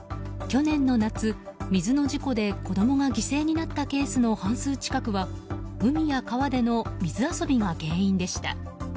去年の夏、水の事故で子供が犠牲になったケースの半数近くは海や川での水遊びが原因でした。